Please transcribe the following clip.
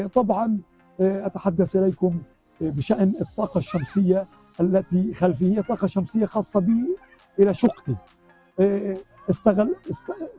tentu saja saya mengatasi kepada anda tentang tenaga surya yang terdekat dengan syukur